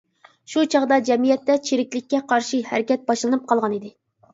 شۇ چاغدا جەمئىيەتتە چىرىكلىككە قارشى ھەرىكەت باشلىنىپ قالغانىدى.